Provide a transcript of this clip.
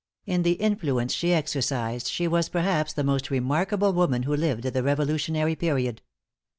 In the influence she exercised, she was perhaps the most remarkable woman who lived at the Revolutionary period.